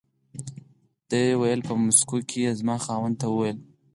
دې وویل په مسکو کې یې زما خاوند ته و ویل.